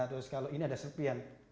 terus kalau ini ada sepian